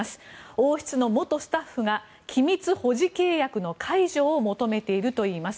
王室の元スタッフが機密保持契約の解除を求めているといいます。